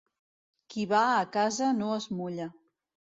Qui va a casa no es mulla.